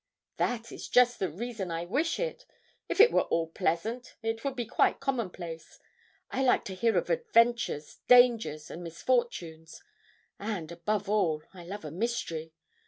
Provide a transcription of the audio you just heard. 'That is just the reason I wish it. If it were at all pleasant, it would be quite commonplace. I like to hear of adventures, dangers, and misfortunes; and above all, I love a mystery.